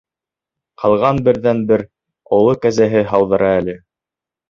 Ҡалған берҙән-бер оло кәзәһе һауҙыра әле.